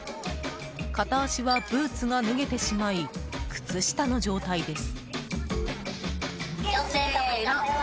片足はブーツが脱げてしまい靴下の状態です。